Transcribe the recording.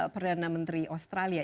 perdana menteri australia